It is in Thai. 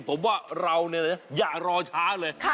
ผมว่าเราอยากรอช้าเลย